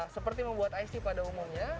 seperti membuat ic pada umumnya